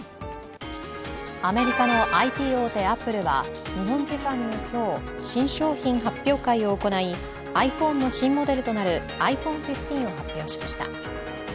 アメリカのＩＴ大手アップルは日本時間の今日、新商品発表会を行い、ｉＰｈｏｎｅの新モデルとなるｉＰｈｏｎｅ１５を発表しました。